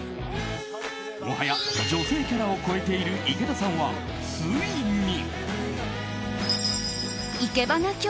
もはや女性キャラを超えている池田さんは、ついに。